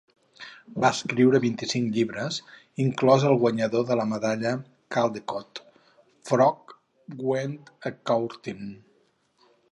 Va escriure vint-i-cinc llibres, inclòs el guanyador de la Medalla Caldecott "Frog Went A-Courtin".